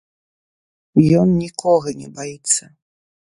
Ён нікога не баіцца!